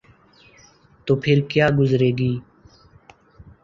تو پھرکیا گزرے گی؟